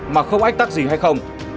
mà không ách tắc gì hay không